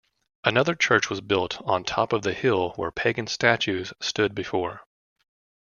Another church was built on top of the hill where pagan statues stood before.